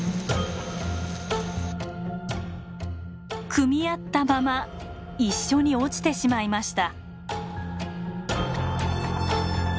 組み合ったまま一緒に落ちてしまいました。